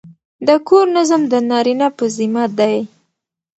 د کور نظم د نارینه په ذمه دی.